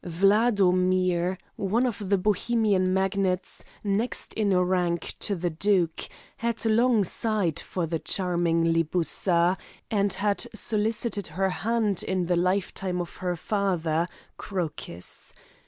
Wladomir, one of the Bohemian magnates, next in rank to the duke, had long sighed for the charming Libussa, and had solicited her hand in the lifetime of her father, Crocus.